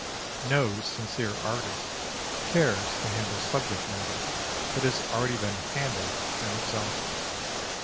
No sincere artist cares to handle subject matter that has already been handled and exhausted.